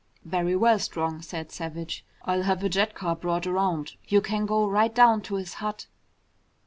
"Very well, Strong," said Savage. "I'll have a jet car brought around. You can go right down to his hut."